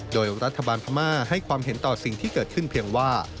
โดยรัฐบาลพม่าให้ความเห็นต่อสิ่งที่เกิดขึ้นเพียงว่า